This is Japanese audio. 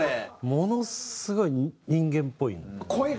ものすごい人間っぽいの。